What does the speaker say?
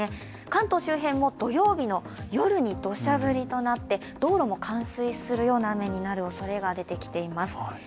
関東周辺も土曜日の夜にどしゃ降りとなって道路も冠水するような雨になるおそれが出てきています。